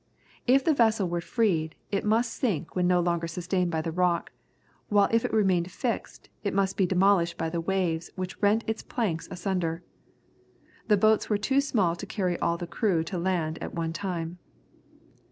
If the vessel were freed, it must sink when no longer sustained by the rock, while if it remained fixed, it must be demolished by the waves which rent its planks asunder. The boats were too small to carry all the crew to land at one time.